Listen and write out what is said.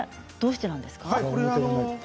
どうしてなんですか？